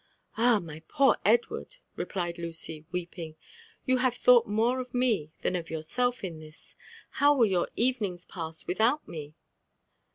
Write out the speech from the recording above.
"Ah! my poor Edward!'' replied Lucy, weeping, "yon have thought more of me (ban of yourself in this. How will your evenings pass without me